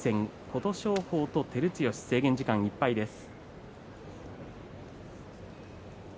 琴勝峰に照強は制限時間いっぱいです。